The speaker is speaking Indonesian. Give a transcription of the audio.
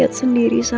untuk ke istimewa